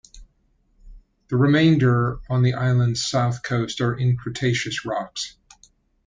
The remainder on the island's south coast are in Cretaceous rocks.